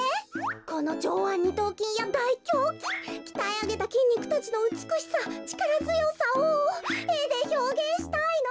このじょうわんにとうきんやだいきょうきんきたえあげたきんにくたちのうつくしさちからづよさをえでひょうげんしたいの。